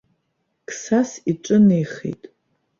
Қсас иҿынеихеит.